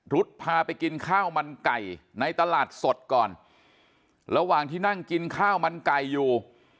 พาไปกินข้าวมันไก่ในตลาดสดก่อนระหว่างที่นั่งกินข้าวมันไก่อยู่